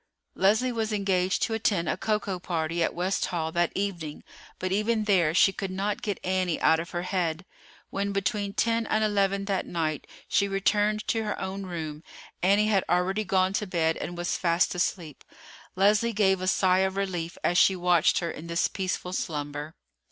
Leslie was engaged to attend a cocoa party at West Hall that evening; but even there she could not get Annie out of her head. When between ten and eleven that night she returned to her own room, Annie had already gone to bed and was fast asleep. Leslie gave a sigh of relief as she watched her in this peaceful slumber.